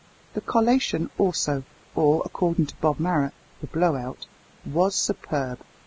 The collation also, or, according to Bob Marrot, the "blow out," was superb.